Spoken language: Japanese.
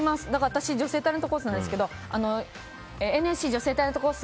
私女性タレントコースなんですけどＮＳＣ女性タレントコース